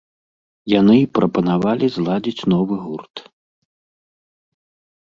Яны і прапанавалі зладзіць новы гурт.